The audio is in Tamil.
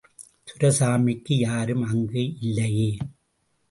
துரைசாமிக்கு, யாரும் அங்கு இல்லையே!